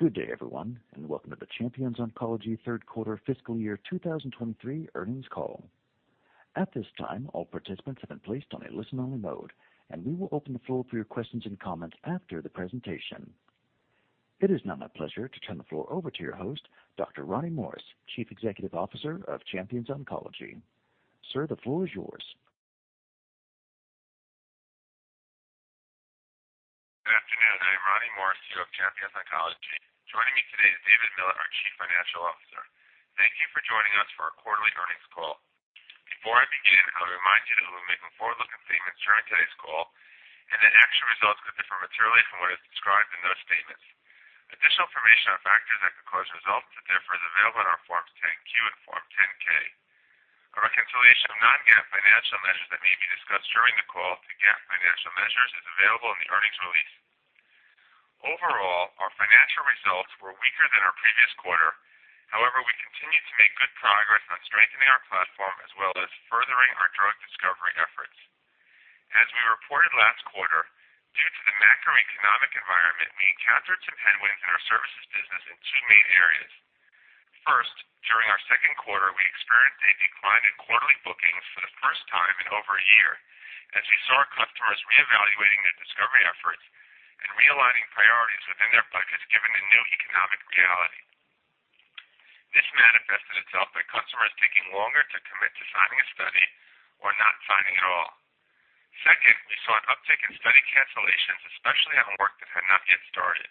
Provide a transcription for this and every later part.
Good day, everyone. Welcome to the Champions Oncology third quarter fiscal year 2023 earnings call. At this time, all participants have been placed on a listen-only mode. We will open the floor for your questions and comments after the presentation. It is now my pleasure to turn the floor over to your host, Dr. Ronnie Morris, Chief Executive Officer of Champions Oncology. Sir, the floor is yours. Good afternoon. I am Ronnie Morris, CEO of Champions Oncology. Joining me today is David Miller, our Chief Financial Officer. Thank you for joining us for our quarterly earnings call. Before I begin, I would remind you that we'll be making forward-looking statements during today's call and that actual results could differ materially from what is described in those statements. Additional information on factors that could cause results to differ is available in our Forms 10-Q and Form 10-K. A reconciliation of non-GAAP financial measures that may be discussed during the call to GAAP financial measures is available in the earnings release. Overall, our financial results were weaker than our previous quarter. We continued to make good progress on strengthening our platform as well as furthering our drug discovery efforts. As we reported last quarter, due to the macroeconomic environment, we encountered some headwinds in our services business in two main areas. First, during our second quarter, we experienced a decline in quarterly bookings for the first time in over a year as we saw customers reevaluating their discovery efforts and realigning priorities within their budgets given the new economic reality. This manifested itself by customers taking longer to commit to signing a study or not signing at all. Second, we saw an uptick in study cancellations, especially on work that had not yet started.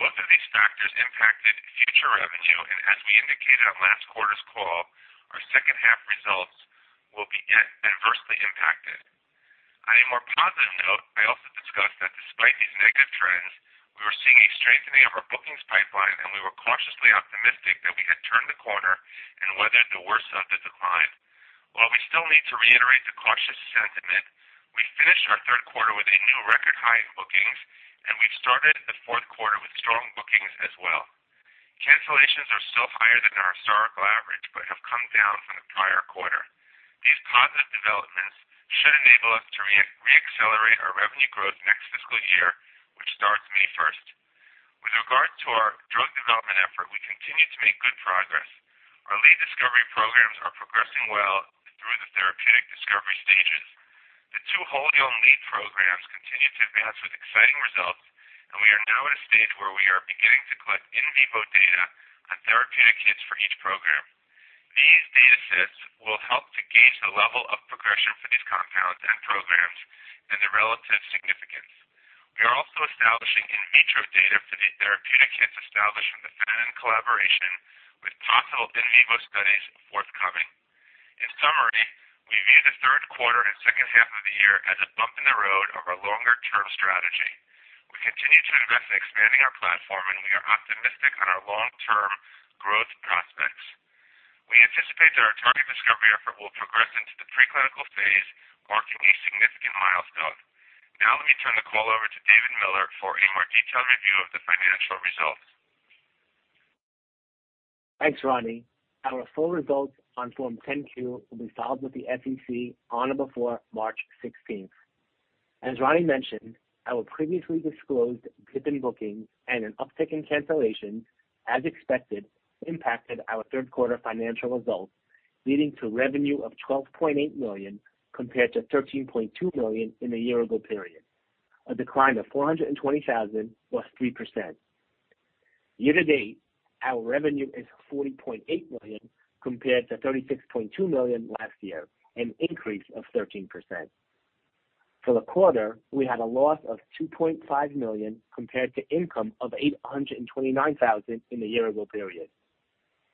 Both of these factors impacted future revenue, and as we indicated on last quarter's call, our second half results will be adversely impacted. On a more positive note, I also discussed that despite these negative trends, we were seeing a strengthening of our bookings pipeline, and we were cautiously optimistic that we had turned the corner and weathered the worst of the decline. While we still need to reiterate the cautious sentiment, we finished our third quarter with a new record high in bookings, and we've started the fourth quarter with strong bookings as well. Cancellations are still higher than our historical average but have come down from the prior quarter. These positive developments should enable us to reaccelerate our revenue growth next fiscal year, which starts May first. With regard to our drug development effort, we continue to make good progress. Our lead discovery programs are progressing well through the therapeutic discovery stages. The two hold all lead programs continue to advance with exciting results. We are now at a stage where we are beginning to collect in vivo data on therapeutic hits for each program. These data sets will help to gauge the level of progression for these compounds and programs and their relative significance. We are also establishing in vitro data for these therapeutic hits established from the Fannin collaboration with possible in vivo studies forthcoming. In summary, we view the third quarter and second half of the year as a bump in the road of our longer-term strategy. We continue to invest in expanding our platform. We are optimistic on our long-term growth prospects. We anticipate that our target discovery effort will progress into the preclinical phase, marking a significant milestone. Now let me turn the call over to David Miller for a more detailed review of the financial results. Thanks, Ronnie. Our full results on Form 10-Q will be filed with the SEC on or before March 16th. As Ronnie mentioned, our previously disclosed dip in bookings and an uptick in cancellations, as expected, impacted our third quarter financial results, leading to revenue of $12.8 million compared to $13.2 million in the year-ago period, a decline of $420,000 or 3%. Year to date, our revenue is $40.8 million compared to $36.2 million last year, an increase of 13%. For the quarter, we had a loss of $2.5 million compared to income of $829,000 in the year-ago period.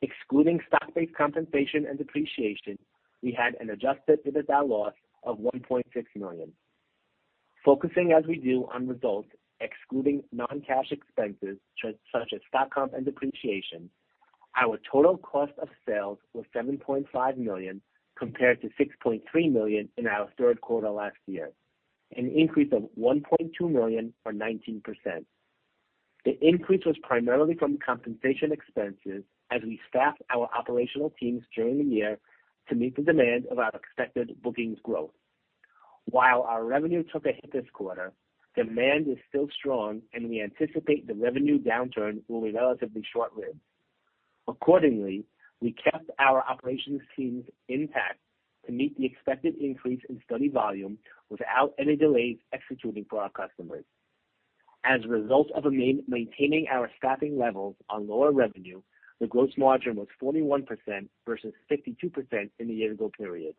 Excluding stock-based compensation and depreciation, we had an Adjusted EBITDA loss of $1.6 million. Focusing as we do on results excluding non-cash expenses such as stock comp and depreciation, our total cost of sales was $7.5 million compared to $6.3 million in our third quarter last year, an increase of $1.2 million or 19%. The increase was primarily from compensation expenses as we staffed our operational teams during the year to meet the demand of our expected bookings growth. While our revenue took a hit this quarter, demand is still strong, and we anticipate the revenue downturn will be relatively short-lived. Accordingly, we kept our operations teams intact to meet the expected increase in study volume without any delays executing for our customers. As a result of maintaining our staffing levels on lower revenue, the gross margin was 41% versus 52% in the year ago period.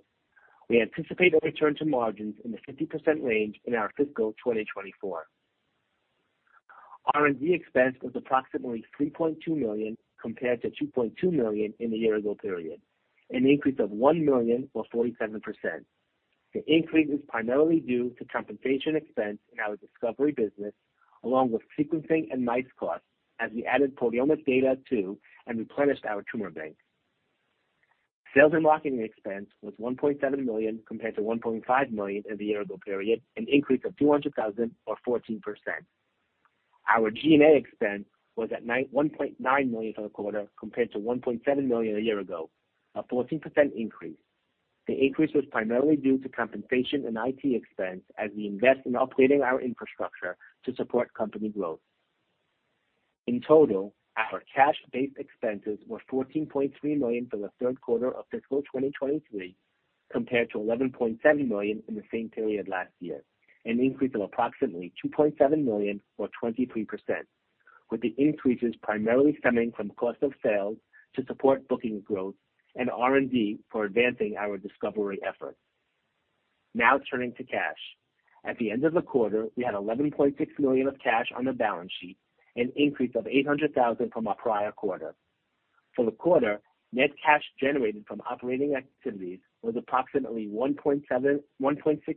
We anticipate a return to margins in the 50% range in our fiscal 2024. R&D expense was approximately $3.2 million compared to $2.2 million in the year ago period, an increase of $1 million or 47%. The increase is primarily due to compensation expense in our discovery business along with sequencing and mice costs as we added proteomics data too and replenished our tumor bank. Sales and marketing expense was $1.7 million compared to $1.5 million in the year ago period, an increase of $200,000 or 14%. Our G&A expense was $1.9 million for the quarter compared to $1.7 million a year ago, a 14% increase. The increase was primarily due to compensation and IT expense as we invest in upgrading our infrastructure to support company growth. In total, our cash-based expenses were $14.3 million for the 3rd quarter of fiscal 2023, compared to $11.7 million in the same period last year, an increase of approximately $2.7 million or 23%, with the increases primarily stemming from cost of sales to support booking growth and R&D for advancing our discovery efforts. Turning to cash. At the end of the quarter, we had $11.6 million of cash on the balance sheet, an increase of $800,000 from our prior quarter. For the quarter, net cash generated from operating activities was approximately $1.6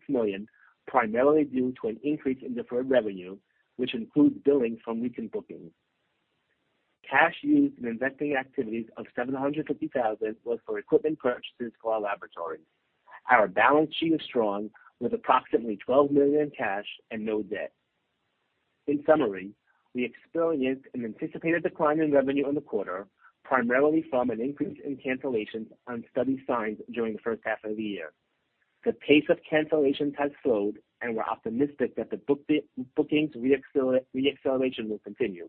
million, primarily due to an increase in deferred revenue, which includes billing from recent bookings. Cash used in investing activities of $750,000 was for equipment purchases for our laboratories. Our balance sheet is strong with approximately $12 million in cash and no debt. In summary, we experienced an anticipated decline in revenue in the quarter, primarily from an increase in cancellations on study signs during the first half of the year. The pace of cancellations has slowed and we're optimistic that the bookings reacceleration will continue,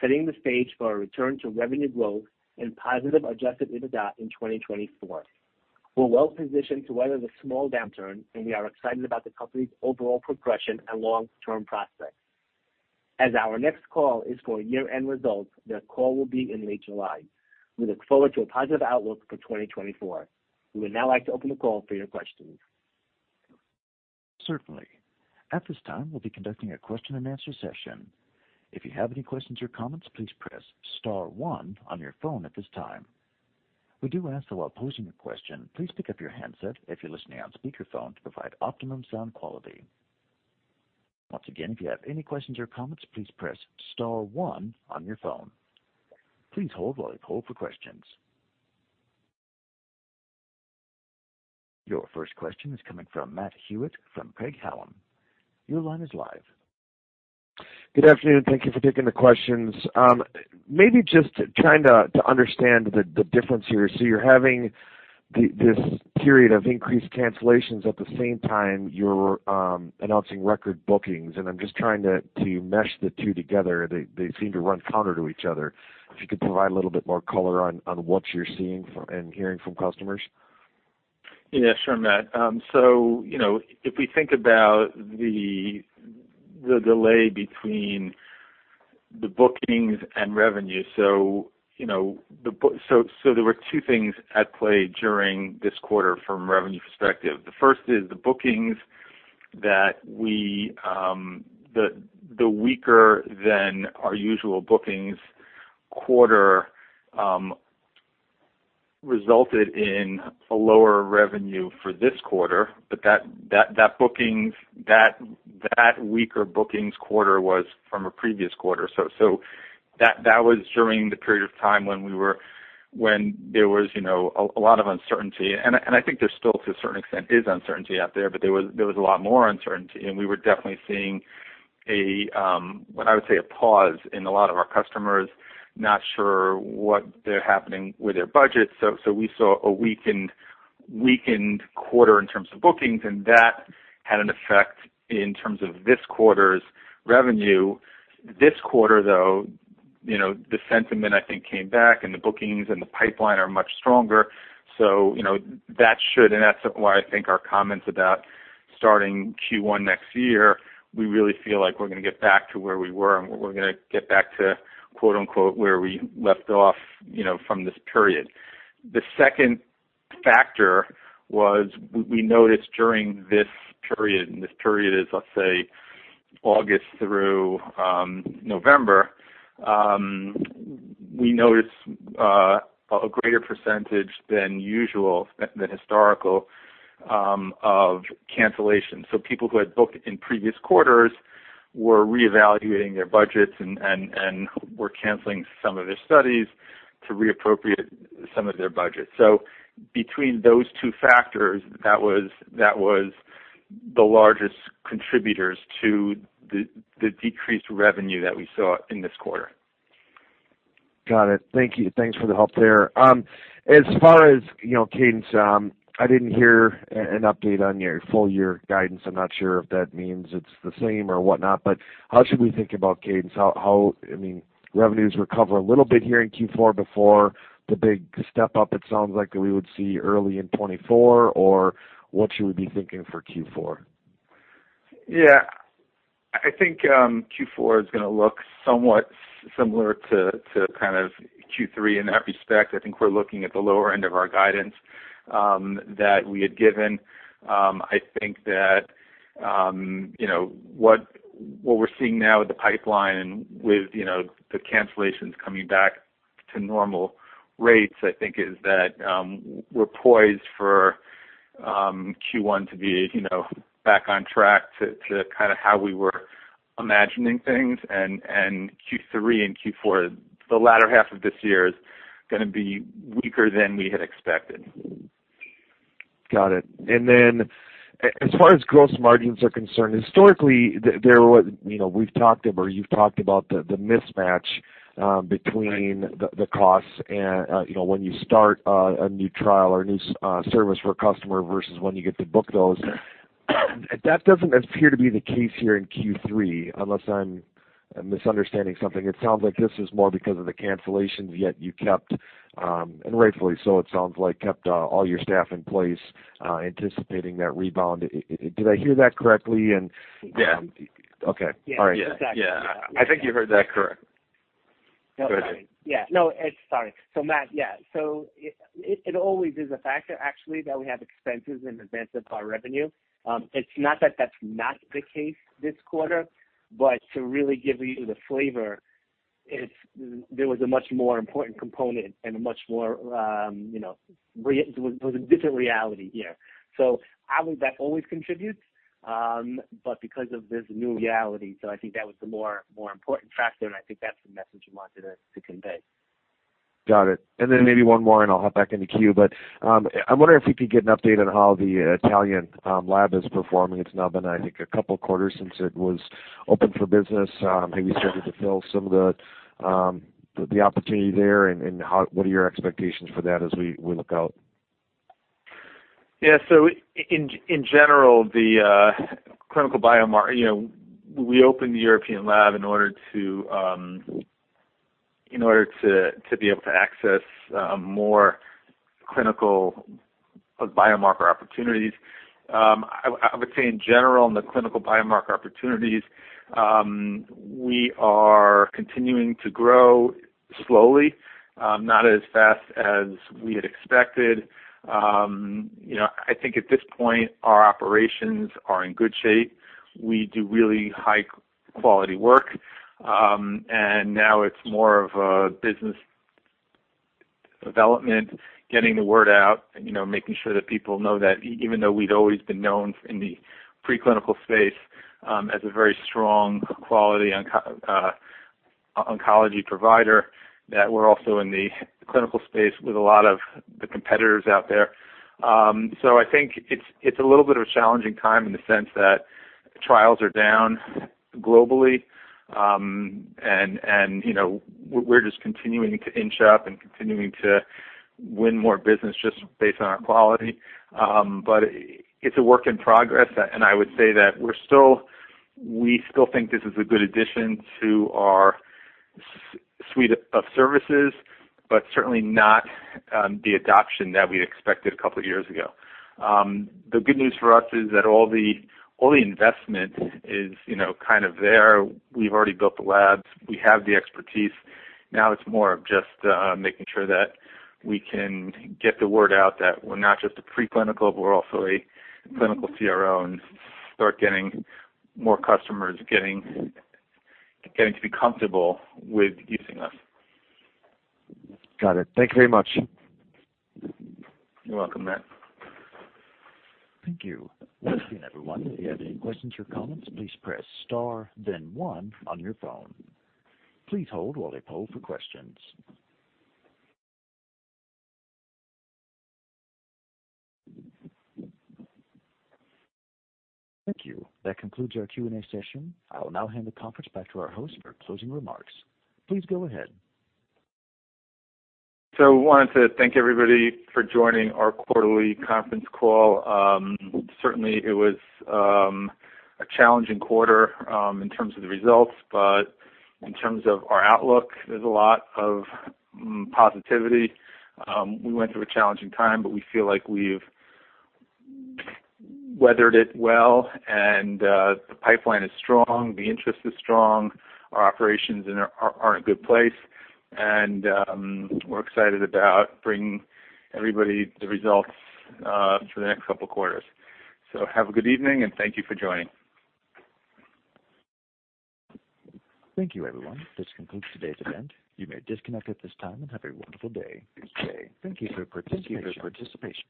setting the stage for a return to revenue growth and positive Adjusted EBITDA in 2024. We're well positioned to weather the small downturn, and we are excited about the company's overall progression and long-term prospects. As our next call is for year-end results, that call will be in late July. We look forward to a positive outlook for 2024. We would now like to open the call for your questions. Certainly. At this time, we'll be conducting a question-and-answer session. If you have any questions or comments, please press star one on your phone at this time. We do ask that while posing your question, please pick up your handset if you're listening on speakerphone to provide optimum sound quality. Once again, if you have any questions or comments, please press star one on your phone. Please hold while we poll for questions. Your first question is coming from Matt Hewitt from Craig-Hallum. Your line is live. Good afternoon. Thank you for taking the questions. Maybe just trying to understand the difference here. You're having this period of increased cancellations at the same time you're announcing record bookings, I'm just trying to mesh the two together. They, they seem to run counter to each other. If you could provide a little bit more color on what you're seeing from and hearing from customers. Yeah, sure, Matt. You know, if we think about the delay between the bookings and revenue, there were two things at play during this quarter from a revenue perspective. The first is the bookings that we, the weaker than our usual bookings quarter, resulted in a lower revenue for this quarter. That bookings, that weaker bookings quarter was from a previous quarter. That was during the period of time when we were, when there was, you know, a lot of uncertainty. I think there still, to a certain extent, is uncertainty out there. There was a lot more uncertainty, and we were definitely seeing a, what I would say a pause in a lot of our customers, not sure what they're happening with their budget. We saw a weakened quarter in terms of bookings, and that had an effect in terms of this quarter's revenue. This quarter, though, you know, the sentiment, I think, came back, and the bookings and the pipeline are much stronger. You know, that should, and that's why I think our comments about starting Q1 next year, we really feel like we're gonna get back to where we were and we're gonna get back to, quote-unquote, "where we left off," you know, from this period. The second factor was we noticed during this period, and this period is, let's say August through November, we noticed a greater percentage than usual, than historical, of cancellations. People who had booked in previous quarters were reevaluating their budgets and were canceling some of their studies to reappropriate some of their budget. Between those two factors, that was the largest contributors to the decreased revenue that we saw in this quarter. Got it. Thank you. Thanks for the help there. As far as, you know, cadence, I didn't hear an update on your full year guidance. I'm not sure if that means it's the same or whatnot, but how should we think about cadence? How, I mean, revenues recover a little bit here in Q4 before the big step up it sounds like that we would see early in 2024 or what should we be thinking for Q4? Yeah. I think Q4 is gonna look somewhat similar to kind of Q3 in that respect. I think we're looking at the lower end of our guidance that we had given. I think that, you know what we're seeing now with the pipeline and with, you know, the cancellations coming back to normal rates, I think is that, we're poised for Q1 to be, you know, back on track to kinda how we were imagining things and Q3 and Q4, the latter half of this year is gonna be weaker than we had expected. Got it. as far as gross margins are concerned, historically, they're what, you know, we've talked or you've talked about the mismatch, between. Right. the costs and, you know, when you start, a new trial or a new service for a customer versus when you get to book those. That doesn't appear to be the case here in Q3, unless I'm misunderstanding something. It sounds like this is more because of the cancellations, yet you kept, and rightfully so it sounds like, kept, all your staff in place, anticipating that rebound. Did I hear that correctly? And Yeah. Okay. All right. Yeah. Exactly. Yeah. I think you heard that correct. Go ahead. Yeah. No, Sorry. Matthew, yeah. It always is a factor actually that we have expenses in advance of our revenue. It's not that that's not the case this quarter, but to really give you the flavor, there was a much more important component and a much more, you know, it was a different reality here. I would, that always contributes, but because of this new reality. I think that was the more important factor, and I think that's the message we wanted to convey. Got it. Maybe one more, and I'll hop back in the queue. I wonder if we could get an update on how the Italian lab is performing. It's now been, I think, a couple quarters since it was open for business. Have you started to fill some of the opportunity there, and what are your expectations for that as we look out? Yeah. In general, the clinical biomarker, you know, we opened the European lab in order to be able to access more clinical biomarker opportunities. I would say in general, in the clinical biomarker opportunities, we are continuing to grow slowly, not as fast as we had expected. You know, I think at this point, our operations are in good shape. We do really high quality work. Now it's more of a business development, getting the word out and, you know, making sure that people know that even though we'd always been known in the preclinical space, as a very strong quality oncology provider, that we're also in the clinical space with a lot of the competitors out there. I think it's a little bit of a challenging time in the sense that trials are down globally. You know, we're just continuing to inch up and continuing to win more business just based on our quality. It's a work in progress. I would say that we're still, we still think this is a good addition to our suite of services, but certainly not, the adoption that we expected a couple of years ago. The good news for us is that all the, all the investment is, you know, kind of there. We've already built the labs. We have the expertise. Now it's more of just, making sure that we can get the word out that we're not just a preclinical, but we're also a clinical CRO, and start getting more customers getting to be comfortable with using us. Got it. Thank you very much. You're welcome, Matt. Thank you. Once again everyone, if you have any questions or comments, please press star then one on your phone. Please hold while they poll for questions. Thank you. That concludes our Q&A session. I will now hand the conference back to our host for closing remarks. Please go ahead. Wanted to thank everybody for joining our quarterly conference call. Certainly it was a challenging quarter in terms of the results, but in terms of our outlook, there's a lot of positivity. We went through a challenging time, but we feel like we've weathered it well and the pipeline is strong, the interest is strong, our operations are in a good place, and we're excited about bringing everybody the results for the next couple quarters. Have a good evening and thank you for joining. Thank you everyone. This concludes today's event. You may disconnect at this time, and have a wonderful day. Thank you for participation.